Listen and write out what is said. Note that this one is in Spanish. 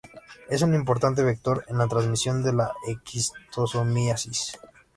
Es un importante vector en la transmisión de la esquistosomiasis.